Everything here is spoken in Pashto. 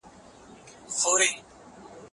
که توشک وي نو بدن نه خوږیږي.